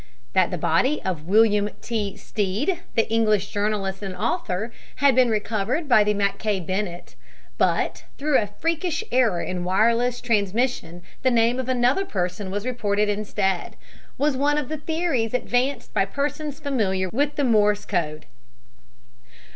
That the body of William T. Stead, the English journalist and author, had been recovered by the Mackay Bennett, but through a freakish error in wireless transmission the name of another was reported instead, was one of the theories advanced by persons familiar with the Morse code.